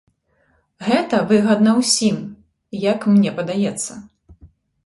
Гэта выгадна ўсім, як мне падаецца.